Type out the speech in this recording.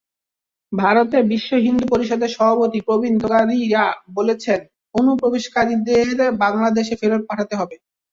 ভারতে বিশ্বহিন্দু পরিষদের সভাপতি প্রবীণ তোগাড়িয়া বলেছেন, অনুপ্রবেশকারীদের বাংলাদেশে ফেরত পাঠাতে হবে।